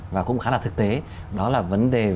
và cũng khá là thực tế đó là vấn đề